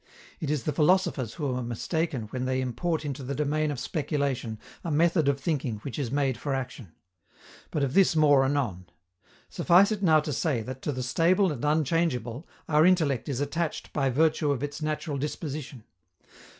It is the philosophers who are mistaken when they import into the domain of speculation a method of thinking which is made for action. But of this more anon. Suffice it now to say that to the stable and unchangeable our intellect is attached by virtue of its natural disposition.